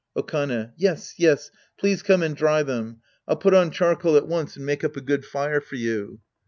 Okane. Yes, yes, please come and dry them. I'll put on charcoal at once and make up a good fire for you.